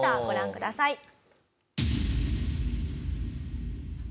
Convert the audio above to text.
ご覧ください。